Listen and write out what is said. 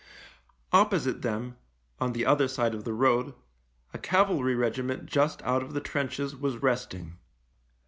Opposite them, on the other side of the road, a cavalry regiment just out of the trenches was resting.